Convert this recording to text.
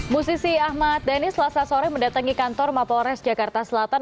musisi ahmad dhani selasa sore mendatangi kantor mapolres jakarta selatan